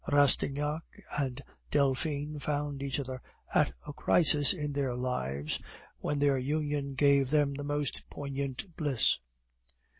Rastignac and Delphine found each other at a crisis in their lives when their union gave them the most poignant bliss.